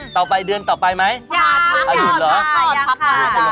ต่อไปเดือนต่อไปไหม